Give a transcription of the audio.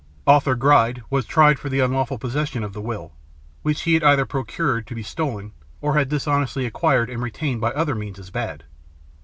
Arthur Gride was tried for the unlawful possession of the will, which he had either procured to be stolen, or had dishonestly acquired and retained by other means as bad.